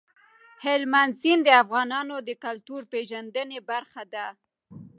هلمند سیند د افغانانو د کلتوري پیژندنې برخه ده.